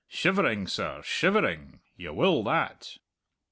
Shivering, sir, shivering! You will that!"